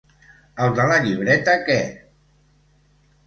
El de la llibreta que!